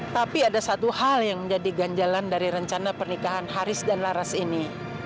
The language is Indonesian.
tapi ada satu hal yang menjadi ganjalan dari rencana pernikahan haris dan laras ini